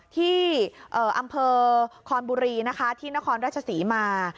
ที่อำเภอคอนบุรีนะคะที่นครราชศรีมา